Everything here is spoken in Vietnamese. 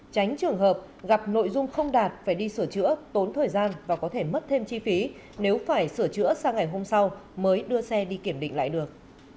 tránh trường hợp gặp nội dung không đạt phải đi sửa chữa tốn thời gian và có thể mất thêm chi phí nếu phải sửa chữa sang ngày hôm sau mới đưa xe đi kiểm định lại được